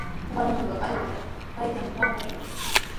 Wañunqan allquuta kaytrawmi pampashqaa.